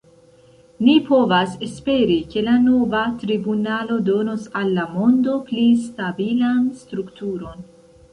Ni povas esperi, ke la nova tribunalo donos al la mondo pli stabilan strukturon.